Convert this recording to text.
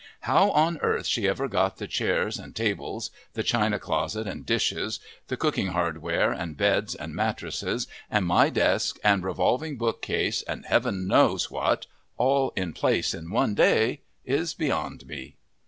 How on earth she ever got the chairs and tables, the china closet and dishes, the cooking hardware and beds and mattresses and my desk and revolving bookcase, and Heaven knows what, all in place in one day is beyond me.